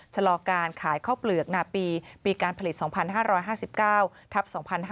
ชะลอการขายข้าวเปลือกนาปีปีการผลิต๒๕๕๙ทับ๒๕๕๙